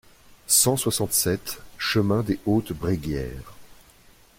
cent soixante-sept chemin des Hautes Bréguières